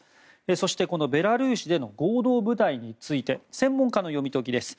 そして、このベラルーシでの合同部隊について専門家の読み解きです。